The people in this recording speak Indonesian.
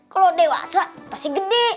kalau dewasa pasti gede